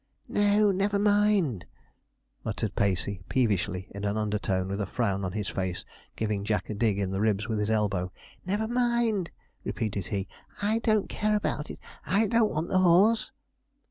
'No, never mind,' muttered Pacey peevishly, in an undertone, with a frown on his face, giving Jack a dig in the ribs with his elbow. 'Never mind,' repeated he; 'I don't care about it I don't want the horse.'